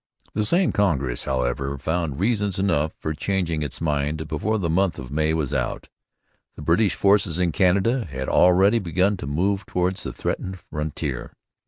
The same Congress, however, found reasons enough for changing its mind before the month of May was out. The British forces in Canada had already begun to move towards the threatened frontier.